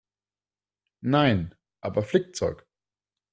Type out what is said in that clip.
Nein, aber Flickzeug.